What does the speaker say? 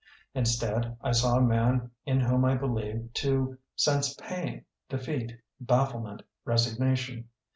Instead I saw a man in whom I believed to sense pain, defeat, bafllement, resignation.